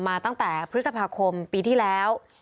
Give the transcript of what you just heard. มาตั้งแต่พฤษภาคมปีที่แล้ว